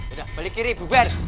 udah balik kiri buber